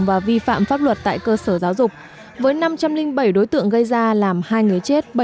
và vi phạm pháp luật tại cơ sở giáo dục với năm trăm linh bảy đối tượng gây ra làm hai người chết